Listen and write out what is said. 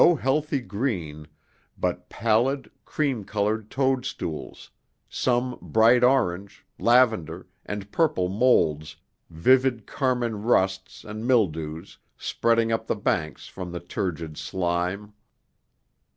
No healthy green, but pallid, cream colored toadstools, some bright orange, lavender, and purple molds, vivid carmine "rusts" and mildews, spreading up the banks from the turgid slime.